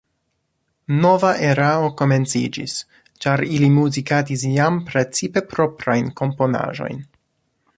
Nova erao komenciĝis, ĉar ili muzikadis jam precipe proprajn komponaĵojn.